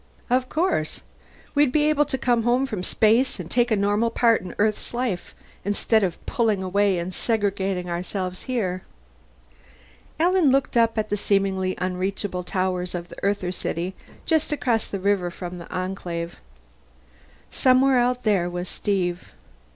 "Of course! We'd be able to come home from space and take a normal part in Earth's life, instead of pulling away and segregating ourselves here." Alan looked up at the seemingly unreachable towers of the Earther city just across the river from the Enclave. Somewhere out there was Steve.